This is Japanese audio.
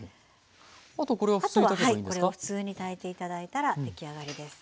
これを普通に炊いて頂いたら出来上がりです。